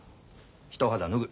一肌脱ぐ。